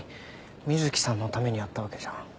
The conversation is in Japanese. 水木さんのためにやったわけじゃ。